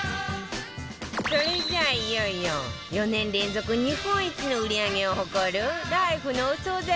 それじゃあいよいよ４年連続日本一の売り上げを誇るライフのお惣菜